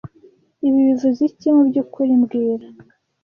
Ibi bivuze iki mubyukuri mbwira